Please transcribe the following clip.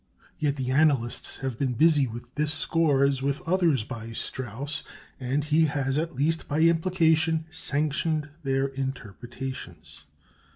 Yet the analysts have been busy with this score, as with others by Strauss; and he has, at least by implication, sanctioned their interpretations.